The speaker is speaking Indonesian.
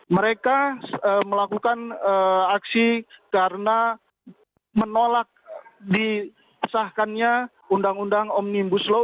mereka melakukan aksi karena menolak disahkannya undang undang omnibus law